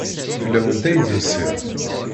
Fell-awent ay d-usiɣ.